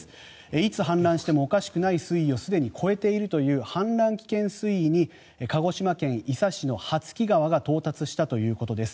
いつ氾濫してもおかしくない水位をすでに超えているという氾濫危険水位に鹿児島県伊佐市の羽月川が到達したということです。